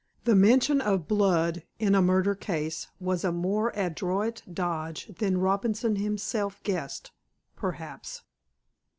The mention of "blood" in a murder case was a more adroit dodge than Robinson himself guessed, perhaps.